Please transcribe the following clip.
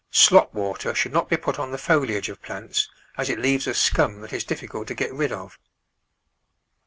Slop water should. not be put on the foliage of plants, as it leaves a scum that is difficult to get rid of.